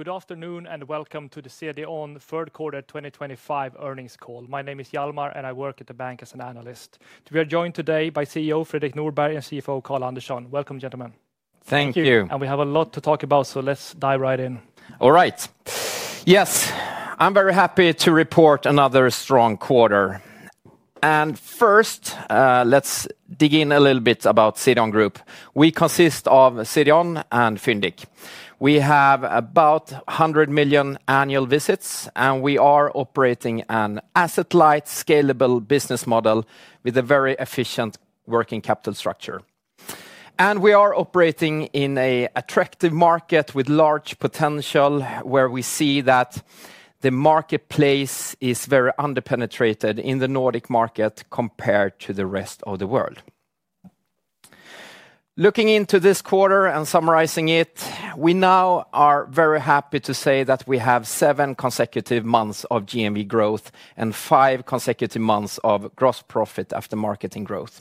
Good afternoon and welcome to the CDON Third Quarter 2025 Earnings Call. My name is Hjalmar Jernström and I work at the bank as an analyst. We are joined today by CEO Fredrik Norberg and CFO Karl Andersson. Welcome, gentlemen. Thank you. We have a lot to talk about, so let's dive right in. All right. Yes, I'm very happy to report another strong quarter. First, let's dig in a little bit about the CDON Group. We consist of CDON and Fyndiq. We have about 100 million annual visits, and we are operating an asset-light, scalable business model with a very efficient working capital structure. We are operating in an attractive market with large potential, where we see that the marketplace is very underpenetrated in the Nordic market compared to the rest of the world. Looking into this quarter and summarizing it, we now are very happy to say that we have seven consecutive months of GMV growth and five consecutive months of gross profit after marketing growth.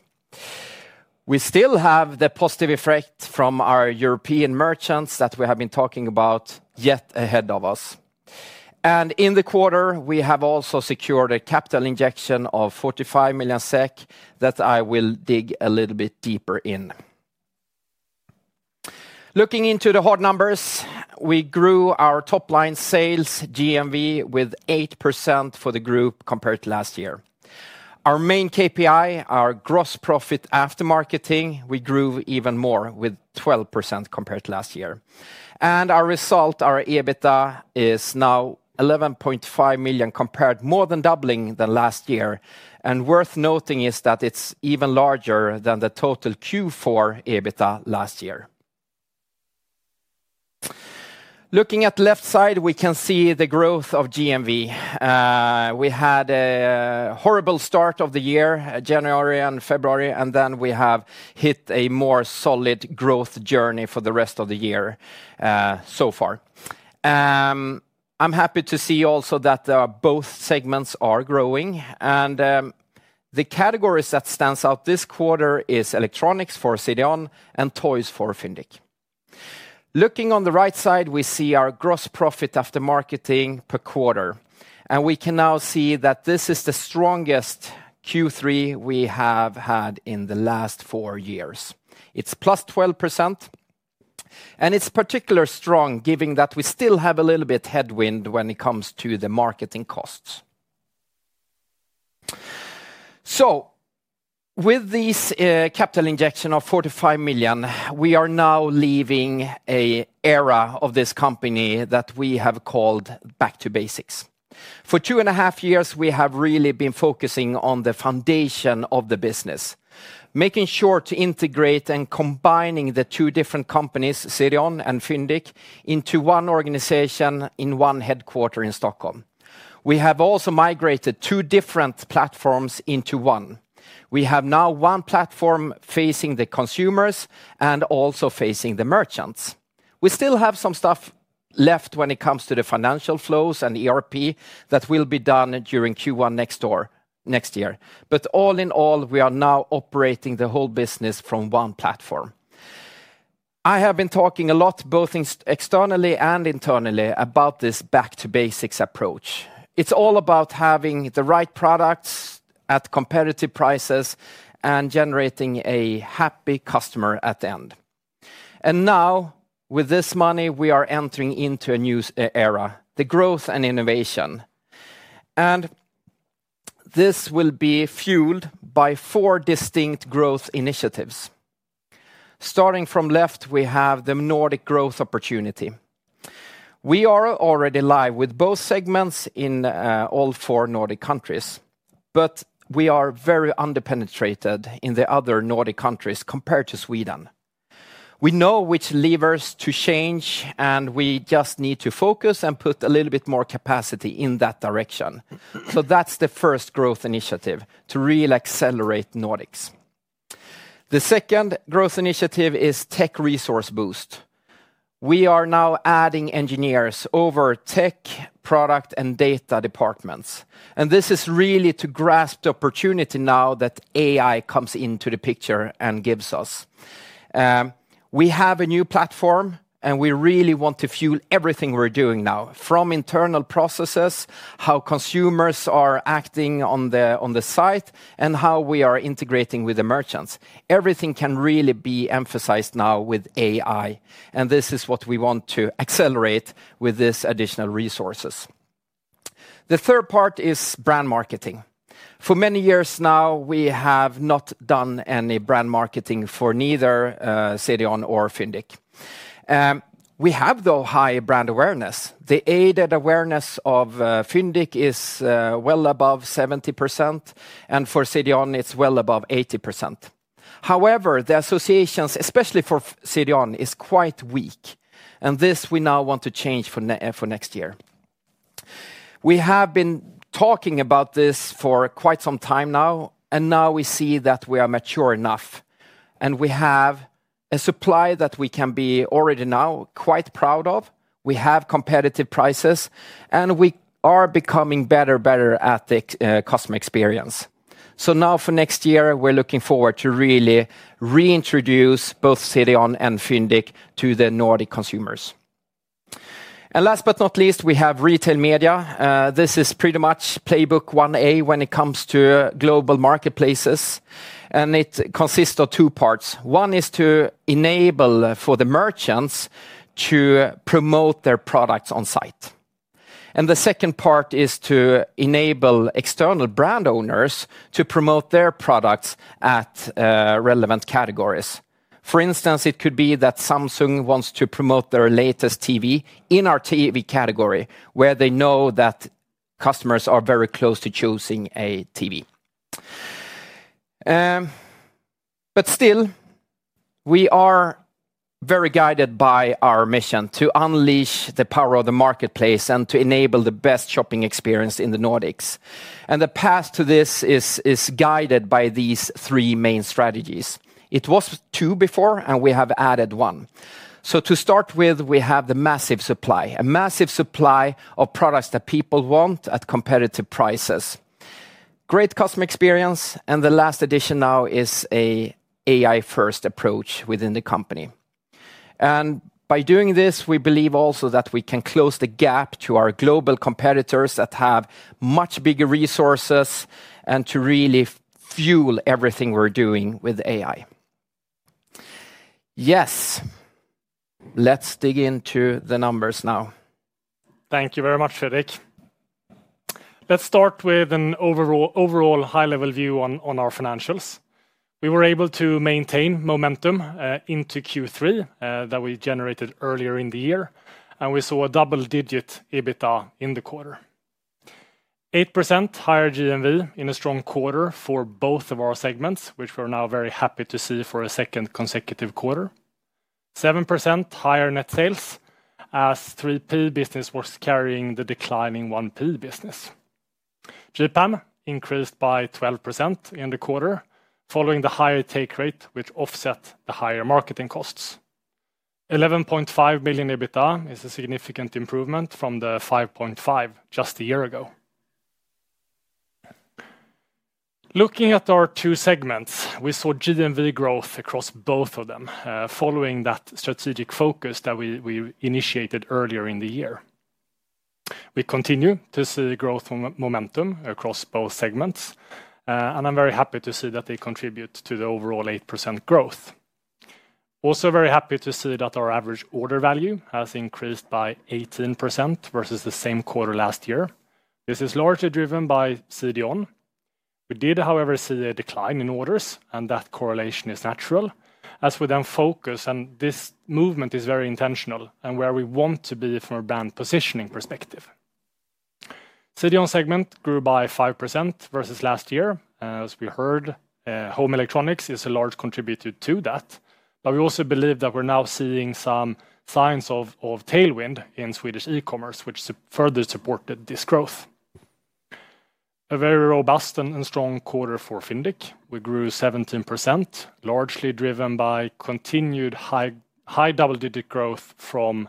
We still have the positive effect from our European merchants that we have been talking about yet ahead of us. In the quarter, we have also secured a capital injection of 45 million SEK that I will dig a little bit deeper in. Looking into the hot numbers, we grew our top line sales GMV with 8% for the group compared to last year. Our main KPI, our gross profit after marketing, we grew even more with 12% compared to last year. Our result, our EBITDA, is now 11.5 million, more than doubling than last year. Worth noting is that it's even larger than the total Q4 EBITDA last year. Looking at the left side, we can see the growth of GMV. We had a horrible start of the year, January and February, and then we have hit a more solid growth journey for the rest of the year so far. I'm happy to see also that both segments are growing. The categories that stand out this quarter are electronics for CDON and toys for Fyndiq. Looking on the right side, we see our gross profit after marketing per quarter. We can now see that this is the strongest Q3 we have had in the last four years. It's +12%. It's particularly strong, given that we still have a little bit of headwind when it comes to the marketing costs. With this capital injection of 45 million, we are now leaving an era of this company that we have called back to basics. For two and a half years, we have really been focusing on the foundation of the business, making sure to integrate and combine the two different companies, CDON and Fyndiq, into one organization in one headquarter in Stockholm. We have also migrated two different platforms into one. We have now one platform facing the consumers and also facing the merchants. We still have some stuff left when it comes to the financial flows and ERP that will be done during Q1 next year. All in all, we are now operating the whole business from one platform. I have been talking a lot, both externally and internally, about this back-to-basics approach. It's all about having the right products at competitive prices and generating a happy customer at the end. Now, with this money, we are entering into a new era, the growth and innovation. This will be fueled by four distinct growth initiatives. Starting from left, we have the Nordic growth opportunity. We are already live with both segments in all four Nordic countries. We are very underpenetrated in the other Nordic countries compared to Sweden. We know which levers to change, and we just need to focus and put a little bit more capacity in that direction. That's the first growth initiative to really accelerate Nordics. The second growth initiative is tech resource boost. We are now adding engineers over tech, product, and data departments. This is really to grasp the opportunity now that AI comes into the picture and gives us. We have a new platform, and we really want to fuel everything we're doing now, from internal processes, how consumers are acting on the site, and how we are integrating with the merchants. Everything can really be emphasized now with AI. This is what we want to accelerate with these additional resources. The third part is brand marketing. For many years now, we have not done any brand marketing for neither CDON nor Fyndiq. We have, though, high brand awareness. The aided awareness of Fyndiq is well above 70%, and for CDON, it's well above 80%. However, the associations, especially for CDON, are quite weak. This we now want to change for next year. We have been talking about this for quite some time now, and now we see that we are mature enough. We have a supply that we can be already now quite proud of. We have competitive prices, and we are becoming better and better at the customer experience. Now for next year, we're looking forward to really reintroduce both CDON and Fyndiq to the Nordic consumers. Last but not least, we have retail media. This is pretty much playbook 1A when it comes to global marketplaces. It consists of two parts. One is to enable for the merchants to promote their products on site. The second part is to enable external brand owners to promote their products at relevant categories. For instance, it could be that Samsung wants to promote their latest TV in our TV category, where they know that customers are very close to choosing a TV. We are very guided by our mission to unleash the power of the marketplace and to enable the best shopping experience in the Nordics. The path to this is guided by these three main strategies. It was two before, and we have added one. To start with, we have the massive supply, a massive supply of products that people want at competitive prices, great customer experience, and the last addition now is an AI-first approach within the company. By doing this, we believe also that we can close the gap to our global competitors that have much bigger resources and to really fuel everything we're doing with AI. Yes, let's dig into the numbers now. Thank you very much, Fredrik. Let's start with an overall high-level view on our financials. We were able to maintain momentum into Q3 that we generated earlier in the year, and we saw a double-digit EBITDA in the quarter. 8% higher GMV in a strong quarter for both of our segments, which we're now very happy to see for a second consecutive quarter. 7% higher net sales as 3P business was carrying the declining 1P business. GPAM increased by 12% in the quarter, following the higher take rate, which offset the higher marketing costs. 11.5 million EBITDA is a significant improvement from the 5.5 million just a year ago. Looking at our two segments, we saw GMV growth across both of them, following that strategic focus that we initiated earlier in the year. We continue to see growth momentum across both segments, and I'm very happy to see that they contribute to the overall 8% growth. Also, very happy to see that our average order value has increased by 18% versus the same quarter last year. This is largely driven by CDON. We did, however, see a decline in orders, and that correlation is natural, as we then focus, and this movement is very intentional, and where we want to be from a brand positioning perspective. CDON segment grew by 5% versus last year, as we heard. Home electronics is a large contributor to that, but we also believe that we're now seeing some signs of tailwind in Swedish e-commerce, which further supported this growth. A very robust and strong quarter for Fyndiq. We grew 17%, largely driven by continued high double-digit growth from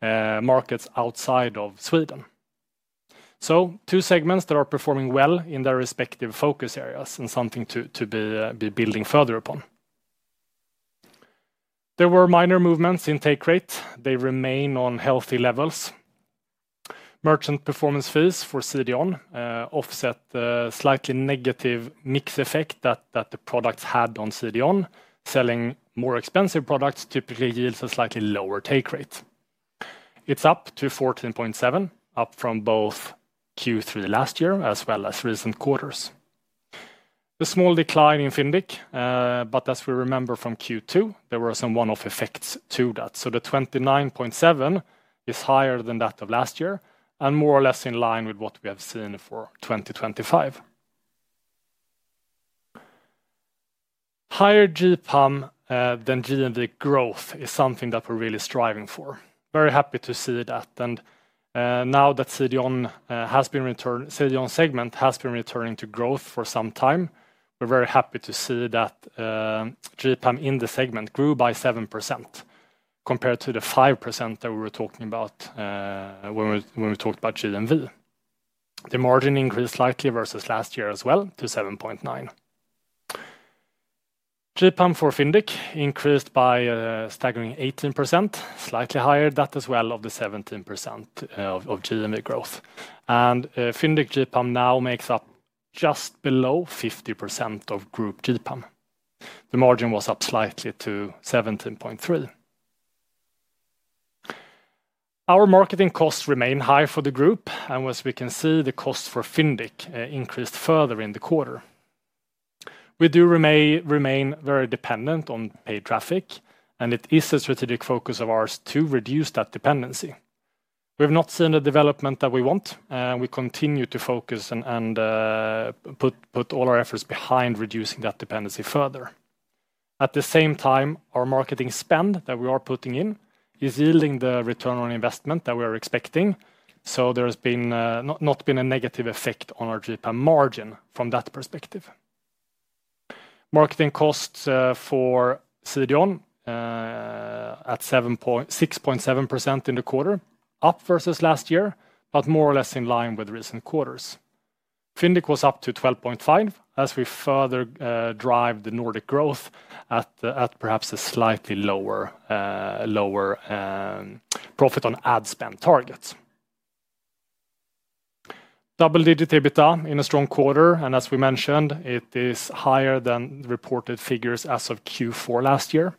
markets outside of Sweden. Two segments that are performing well in their respective focus areas and something to be building further upon. There were minor movements in take rate. They remain on healthy levels. Merchant performance fees for CDON offset the slightly negative mix effect that the products had on CDON. Selling more expensive products typically yields a slightly lower take rate. It's up to 14.7%, up from both Q3 last year as well as recent quarters. A small decline in Fyndiq, but as we remember from Q2, there were some one-off effects to that. The 29.7% is higher than that of last year and more or less in line with what we have seen for 2025. Higher GPAM than GMV growth is something that we're really striving for. Very happy to see that, and now that CDON has been returning, CDON segment has been returning to growth for some time, we're very happy to see that GPAM in the segment grew by 7% compared to the 5% that we were talking about when we talked about GMV. The margin increased slightly versus last year as well to 7.9%. GPAM for Fyndiq increased by a staggering 18%, slightly higher than that as well of the 17% of GMV growth. Fyndiq GPAM now makes up just below 50% of group GPAM. The margin was up slightly to 17.3%. Our marketing costs remain high for the group, and as we can see, the costs for Fyndiq increased further in the quarter. We do remain very dependent on paid traffic, and it is a strategic focus of ours to reduce that dependency. We have not seen the development that we want, and we continue to focus and put all our efforts behind reducing that dependency further. At the same time, our marketing spend that we are putting in is yielding the return on investment that we are expecting, so there has not been a negative effect on our GPAM margin from that perspective. Marketing costs for CDON at 6.7% in the quarter, up versus last year, but more or less in line with recent quarters. Fyndiq was up to 12.5%, as we further drive the Nordic growth at perhaps a slightly lower profit on ad spend target. Double-digit EBITDA in a strong quarter, and as we mentioned, it is higher than the reported figures as of Q4 last year.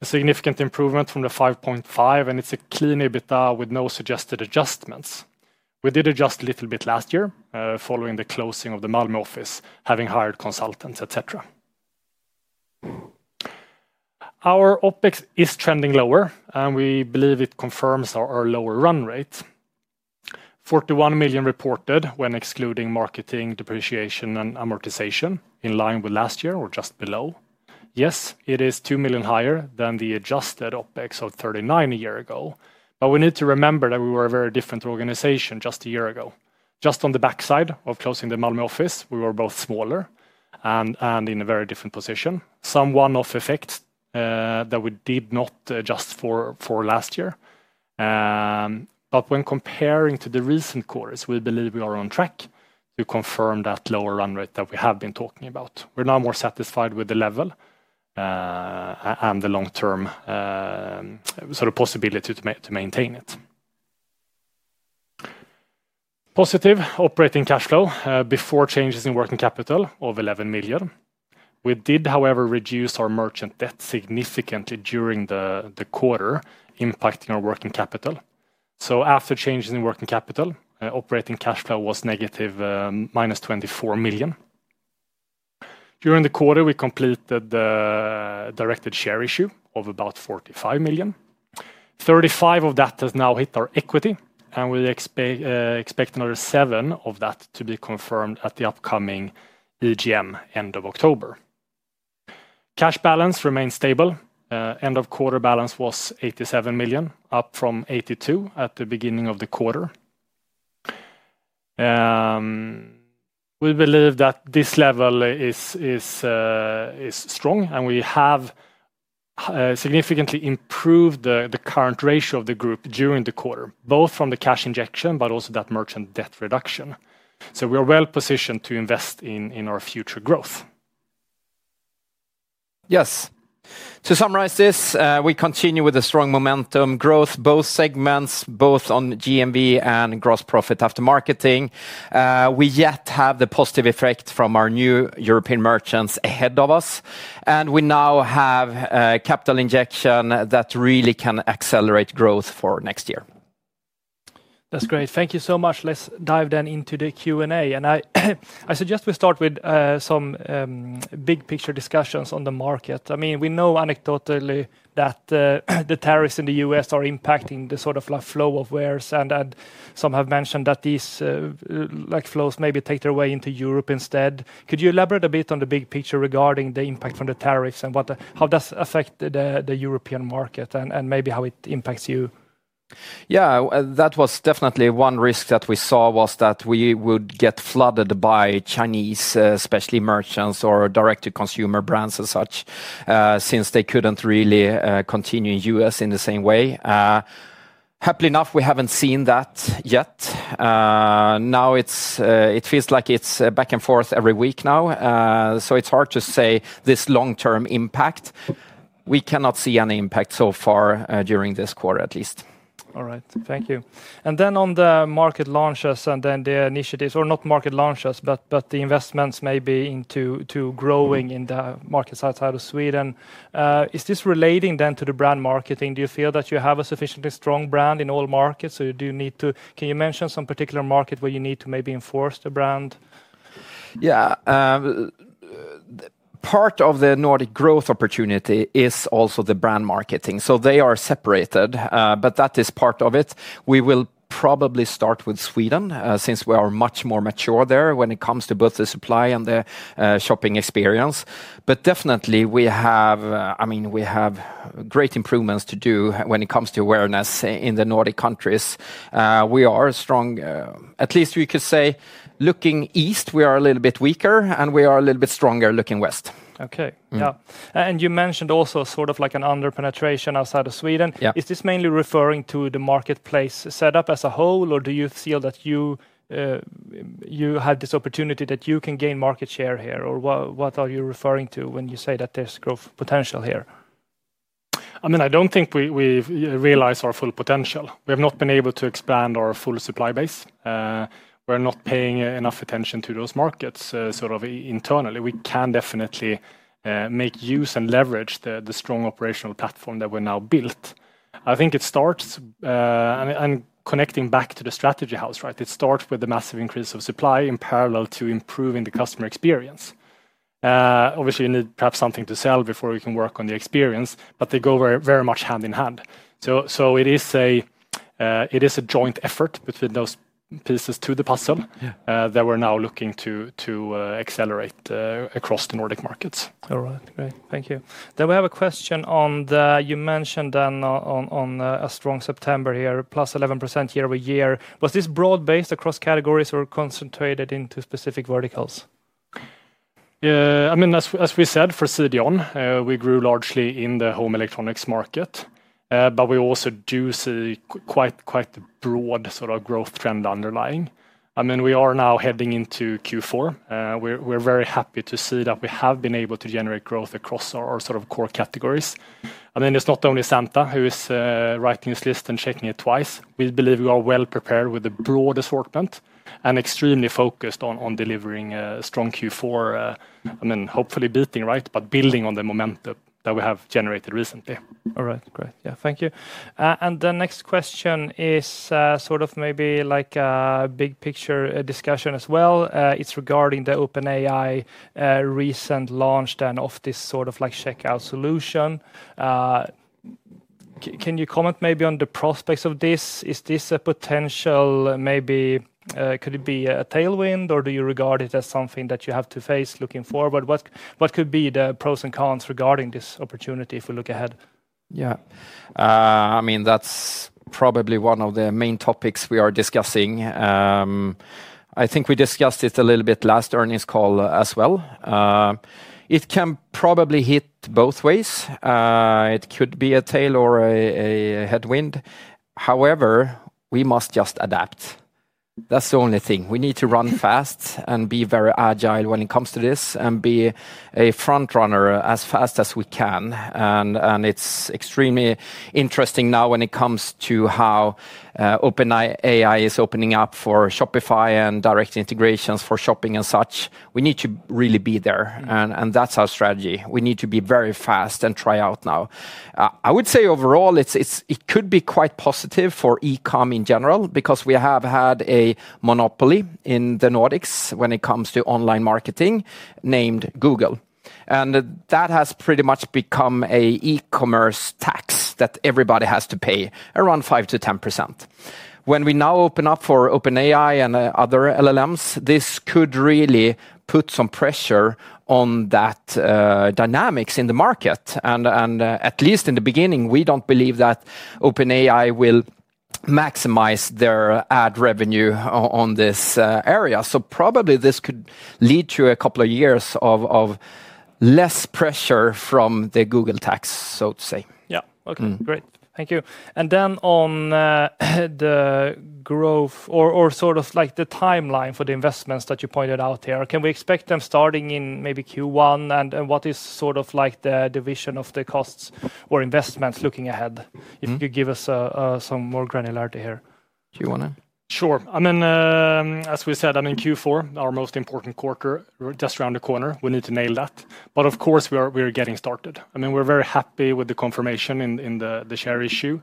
A significant improvement from the 5.5%, and it's a clean EBITDA with no suggested adjustments. We did adjust a little bit last year following the closing of the Malmö office, having hired consultants, etc. Our OpEx is trending lower, and we believe it confirms our lower run rate. 41 million reported when excluding marketing, depreciation, and amortization, in line with last year or just below. Yes, it is 2 million higher than the adjusted OpEx of 39 million a year ago, but we need to remember that we were a very different organization just a year ago. Just on the backside of closing the Malmö office, we were both smaller and in a very different position. Some one-off effects that we did not adjust for last year, but when comparing to the recent quarters, we believe we are on track to confirm that lower run rate that we have been talking about. We're now more satisfied with the level and the long-term possibility to maintain it. Positive operating cash flow before changes in working capital of 11 million. We did, however, reduce our merchant debt significantly during the quarter, impacting our working capital. After changes in working capital, operating cash flow was -24 million. During the quarter, we completed the directed share issue of about 45 million. 35 million of that has now hit our equity, and we expect another 7 million of that to be confirmed at the upcoming EGM end of October. Cash balance remains stable. End of quarter balance was 87 million, up from 82 million at the beginning of the quarter. We believe that this level is strong, and we have significantly improved the current ratio of the group during the quarter, both from the capital injection but also that merchant debt reduction. We are well positioned to invest in our future growth. Yes. To summarize this, we continue with a strong momentum growth, both segments, both on GMV and gross profit after marketing. We yet have the positive effect from our new European merchants ahead of us, and we now have a capital injection that really can accelerate growth for next year. That's great. Thank you so much. Let's dive into the Q&A. I suggest we start with some big-picture discussions on the market. We know anecdotally that the tariffs in the U.S. are impacting the sort of flow of wares, and some have mentioned that these flows maybe take their way into Europe instead. Could you elaborate a bit on the big picture regarding the impact from the tariffs and how that affects the European market and maybe how it impacts you? Yeah, that was definitely one risk that we saw was that we would get flooded by Chinese, especially merchants or direct-to-consumer brands and such, since they couldn't really continue in the U.S. in the same way. Happily enough, we haven't seen that yet. Now it feels like it's back and forth every week now, so it's hard to say this long-term impact. We cannot see any impact so far during this quarter at least. All right, thank you. On the market launches and the initiatives, or not market launches, but the investments maybe into growing in the markets outside of Sweden, is this relating to the brand marketing? Do you feel that you have a sufficiently strong brand in all markets, or do you need to, can you mention some particular market where you need to maybe enforce the brand? Part of the Nordic growth opportunity is also the brand marketing, so they are separated, but that is part of it. We will probably start with Sweden since we are much more mature there when it comes to both the supply and the shopping experience. We have great improvements to do when it comes to awareness in the Nordic countries. We are strong, at least we could say looking east, we are a little bit weaker, and we are a little bit stronger looking west. Okay, yeah. You mentioned also sort of like an underpenetration outside of Sweden. Is this mainly referring to the marketplace setup as a whole, or do you feel that you have this opportunity that you can gain market share here, or what are you referring to when you say that there's growth potential here? I mean, I don't think we've realized our full potential. We have not been able to expand our full supply base. We're not paying enough attention to those markets internally. We can definitely make use and leverage the strong operational platform that we've now built. I think it starts, and connecting back to the strategy house, it starts with the massive increase of supply in parallel to improving the customer experience. Obviously, you need perhaps something to sell before you can work on the experience, but they go very much hand in hand. It is a joint effort between those pieces to the puzzle that we're now looking to accelerate across the Nordic markets. All right, great. Thank you. We have a question on the, you mentioned on a strong September here, +11% year over year. Was this broad based across categories or concentrated into specific verticals? I mean, as we said for CDON, we grew largely in the home electronics market, but we also do see quite a broad sort of growth trend underlying. I mean, we are now heading into Q4. We're very happy to see that we have been able to generate growth across our sort of core categories. I mean, it's not only Santa who is writing this list and checking it twice. We believe we are well prepared with a broad assortment and extremely focused on delivering a strong Q4. I mean, hopefully beating, right, but building on the momentum that we have generated recently. All right, great. Thank you. The next question is maybe like a big picture discussion as well. It's regarding the OpenAI recent launch of this sort of checkout solution. Can you comment maybe on the prospects of this? Is this a potential, maybe could it be a tailwind, or do you regard it as something that you have to face looking forward? What could be the pros and cons regarding this opportunity if we look ahead? Yeah, I mean, that's probably one of the main topics we are discussing. I think we discussed it a little bit last earnings call as well. It can probably hit both ways. It could be a tail or a headwind. However, we must just adapt. That's the only thing. We need to run fast and be very agile when it comes to this and be a front runner as fast as we can. It's extremely interesting now when it comes to how OpenAI is opening up for Shopify and direct integrations for shopping and such. We need to really be there, and that's our strategy. We need to be very fast and try out now. I would say overall it could be quite positive for e-commerce in general because we have had a monopoly in the Nordics when it comes to online marketing named Google. That has pretty much become an e-commerce tax that everybody has to pay around 5%-10%. When we now open up for OpenAI and other LLMs, this could really put some pressure on that dynamics in the market. At least in the beginning, we don't believe that OpenAI will maximize their ad revenue on this area. Probably this could lead to a couple of years of less pressure from the Google tax, so to say. Okay, great. Thank you. On the growth or the timeline for the investments that you pointed out here, can we expect them starting in maybe Q1? What is the division of the costs or investments looking ahead? If you could give us some more granularity here. Q1? Sure. As we said, Q4, our most important quarter, is just around the corner. We need to nail that. Of course, we are getting started. We're very happy with the confirmation in the share issue,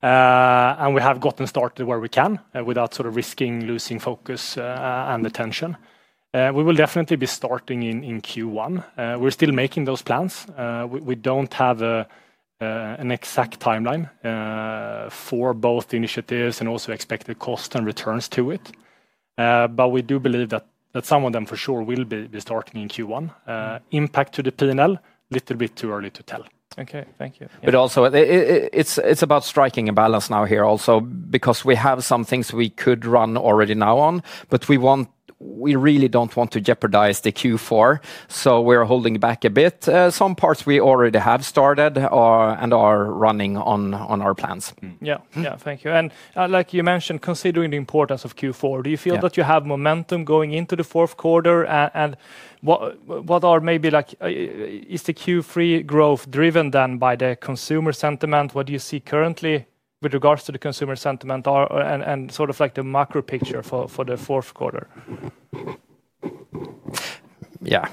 and we have gotten started where we can without risking losing focus and attention. We will definitely be starting in Q1. We're still making those plans. We don't have an exact timeline for both initiatives and also expected costs and returns to it. We do believe that some of them for sure will be starting in Q1. Impact to the P&L, a little bit too early to tell. Okay, thank you. It is also about striking a balance here because we have some things we could run already now. We really don't want to jeopardize the Q4, so we're holding back a bit. Some parts we already have started and are running on our plans. Thank you. Like you mentioned, considering the importance of Q4, do you feel that you have momentum going into the fourth quarter? What are maybe, is the Q3 growth driven then by the consumer sentiment? What do you see currently with regards to the consumer sentiment and the macro picture for the fourth quarter? Yeah,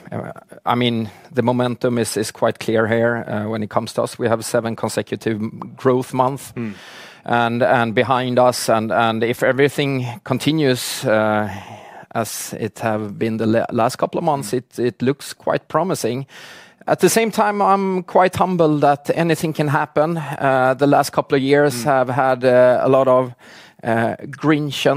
I mean, the momentum is quite clear here when it comes to us. We have seven consecutive growth months behind us, and if everything continues as it has been the last couple of months, it looks quite promising. At the same time, I'm quite humbled that anything can happen. The last couple of years have had a lot of grief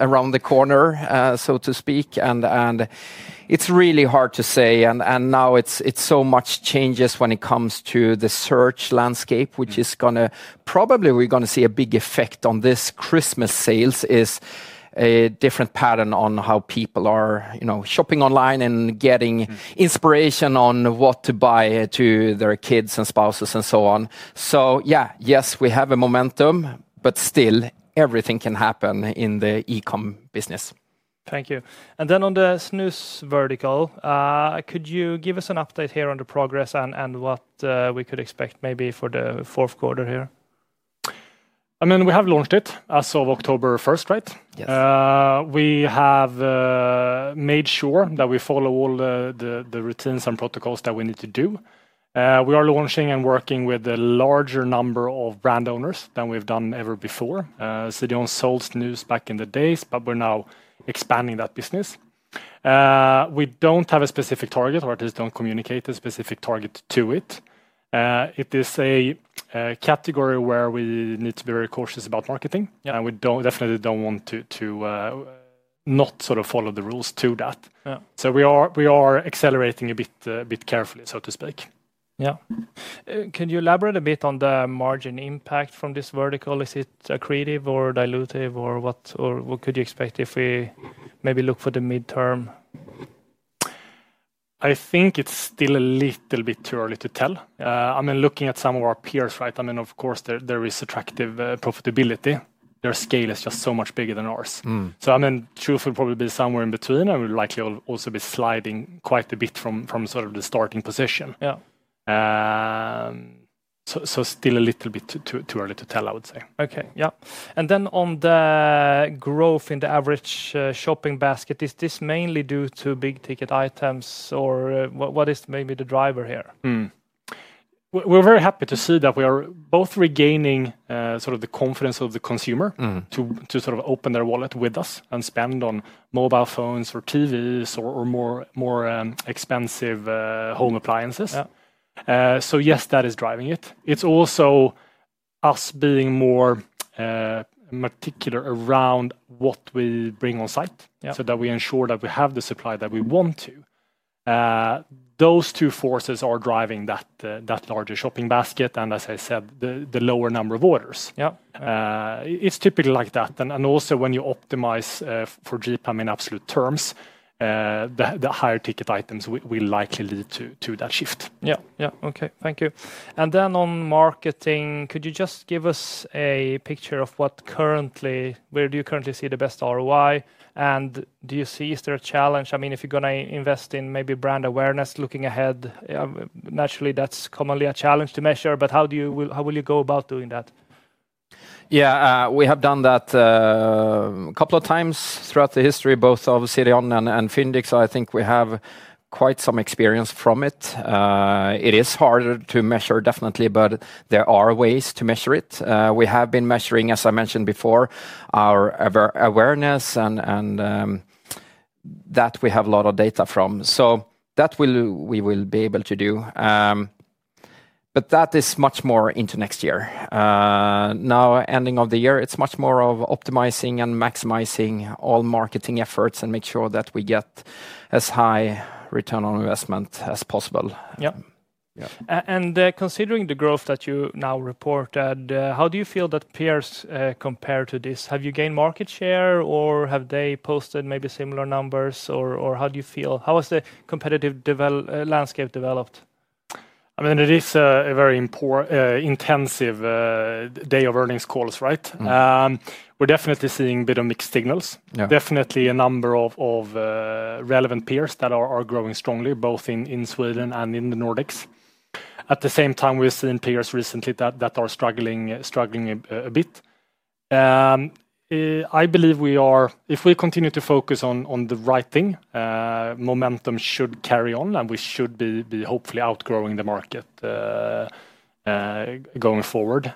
around the corner, so to speak. It's really hard to say. Now it's so much changes when it comes to the search landscape, which is going to probably, we're going to see a big effect on this Christmas sales. It's a different pattern on how people are shopping online and getting inspiration on what to buy to their kids and spouses and so on. Yes, we have a momentum, but still everything can happen in the e-commerce business. Thank you. On the snus category, could you give us an update here on the progress and what we could expect maybe for the fourth quarter here? I mean, we have launched it as of October 1, right? Yes. We have made sure that we follow all the routines and protocols that we need to do. We are launching and working with a larger number of brand owners than we've done ever before. CDON sold snus back in the days, but we're now expanding that business. We don't have a specific target or at least don't communicate a specific target to it. It is a category where we need to be very cautious about marketing, and we definitely don't want to not sort of follow the rules to that. We are accelerating a bit carefully, so to speak. Can you elaborate a bit on the margin impact from this vertical? Is it accretive or dilutive, or what could you expect if we maybe look for the midterm? I think it's still a little bit too early to tell. I mean, looking at some of our peers, right? I mean, of course, there is attractive profitability. Their scale is just so much bigger than ours. Truth would probably be somewhere in between, and we would likely also be sliding quite a bit from sort of the starting position. Yeah. is still a little bit too early to tell, I would say. Okay, yeah. On the growth in the average shopping basket, is this mainly due to big ticket items or what is maybe the driver here? We're very happy to see that we are both regaining the confidence of the consumer to open their wallet with us and spend on mobile phones or TVs or more expensive home appliances. Yes, that is driving it. It's also us being more meticulous around what we bring on site so that we ensure that we have the supply that we want to. Those two forces are driving that larger shopping basket and, as I said, the lower number of orders. Yeah. It's typically like that. Also, when you optimize for GPAM in absolute terms, the higher ticket items will likely lead to that shift. Okay, thank you. On marketing, could you just give us a picture of what currently, where do you currently see the best ROI, and do you see is there a challenge? I mean, if you're going to invest in maybe brand awareness looking ahead, naturally that's commonly a challenge to measure, but how will you go about doing that? Yeah, we have done that a couple of times throughout the history, both of CDON and Fyndiq, so I think we have quite some experience from it. It is harder to measure, definitely, but there are ways to measure it. We have been measuring, as I mentioned before, our awareness and that we have a lot of data from. That we will be able to do. That is much more into next year. Now, ending of the year, it's much more of optimizing and maximizing all marketing efforts and make sure that we get as high return on investment as possible. Considering the growth that you now reported, how do you feel that peers compare to this? Have you gained market share or have they posted maybe similar numbers, or how do you feel? How has the competitive landscape developed? It is a very intensive day of earnings calls, right? We're definitely seeing a bit of mixed signals. Definitely a number of relevant peers that are growing strongly, both in Sweden and in the Nordics. At the same time, we've seen peers recently that are struggling a bit. I believe if we continue to focus on the right thing, momentum should carry on and we should be hopefully outgrowing the market going forward.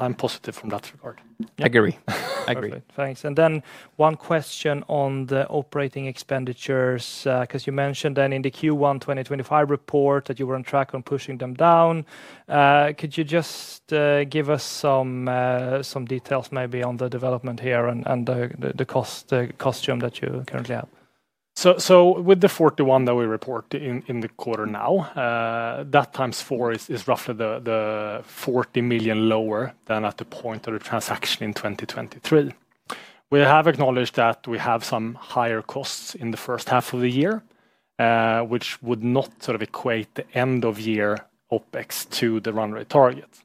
I'm positive from that regard. Agree. Agree. Thanks. One question on the operating expenditures, because you mentioned in the Q1 2025 report that you were on track on pushing them down. Could you just give us some details maybe on the development here and the cost structure that you currently have? With the 401 that we report in the quarter now, that 4x is roughly 40 million lower than at the point of the transaction in 2023. We have acknowledged that we have some higher costs in the first half of the year, which would not equate the end-of-year OpEx to the run rate targets.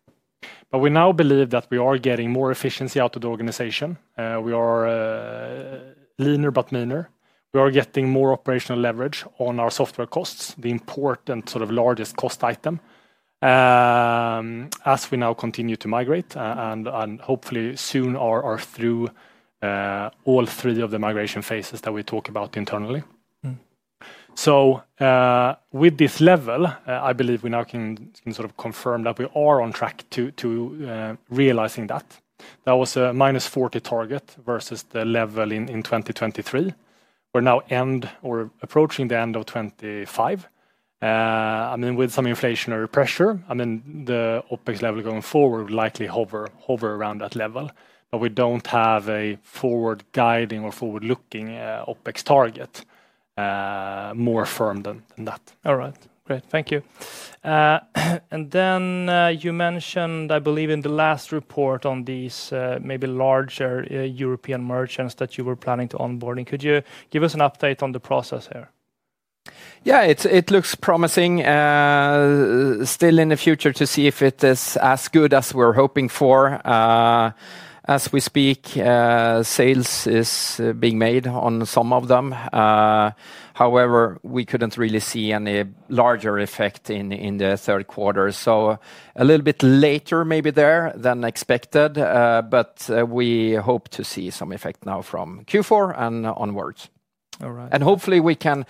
We now believe that we are getting more efficiency out of the organization. We are leaner but meaner. We are getting more operational leverage on our software costs, the important largest cost item, as we now continue to migrate and hopefully soon are through all three of the migration phases that we talk about internally. With this level, I believe we now can confirm that we are on track to realizing that. That was a -40 target versus the level in 2023. We're now approaching the end of 2025. With some inflationary pressure, the OpEx level going forward would likely hover around that level. We don't have a forward guiding or forward-looking OpEx target more firm than that. All right, great. Thank you. You mentioned, I believe, in the last report on these maybe larger European merchants that you were planning to onboard. Could you give us an update on the process here? Yeah, it looks promising. Still in the future to see if it is as good as we're hoping for. As we speak, sales are being made on some of them. However, we couldn't really see any larger effect in the third quarter. A little bit later maybe there than expected. We hope to see some effect now from Q4 and onwards. All right. Hopefully we can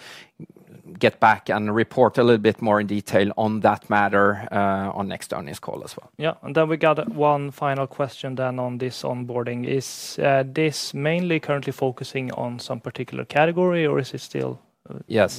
get back and report a little bit more in detail on that matter on next earnings call as well. Yeah, we got one final question on this onboarding. Is this mainly currently focusing on some particular category or is it still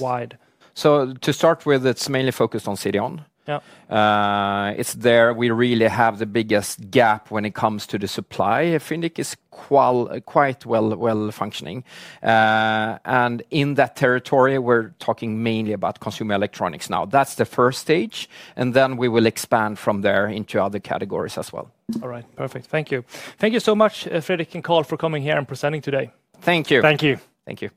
wide? To start with, it's mainly focused on CDON. Yeah. It's there. We really have the biggest gap when it comes to the supply. I think it's quite well functioning. In that territory, we're talking mainly about consumer electronics now. That's the first stage, and we will expand from there into other categories as well. All right, perfect. Thank you. Thank you so much, Fredrik and Karl, for coming here and presenting today. Thank you. Thank you. Thank you.